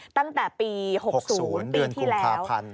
ตั้งแต่ปี๖๐ปีที่แล้ว